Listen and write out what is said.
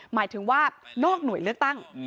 หมายถึงว่านอกหน่วยเลือกตั้ง